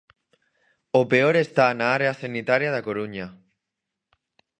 O peor está na área sanitaria da Coruña.